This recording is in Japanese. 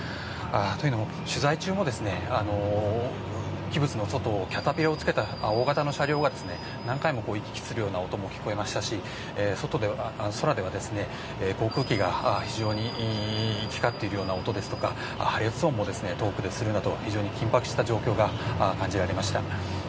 というのも取材中もキブツの外をキャタピラを付けた大型の車両が何回も行き来するような音も聞こえましたし、空では航空機が非常に行き交っている音ですとか破裂音も遠くでするなど非常に緊迫した状況が感じられました。